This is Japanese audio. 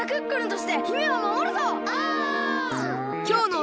お！